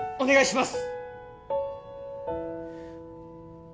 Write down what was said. お願いします！